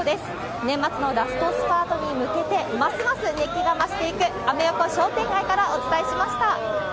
年末のラストスパートに向けて、ますます熱気が増していくアメ横商店街からお伝えしました。